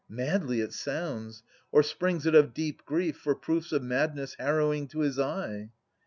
Madly it sounds. — Or springs it of deep grief For proofs of madness harrowing to his eye